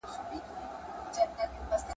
نازولې د بادار یم معتبره !.